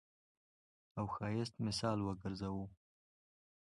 او ښايست مثال وګرځوو.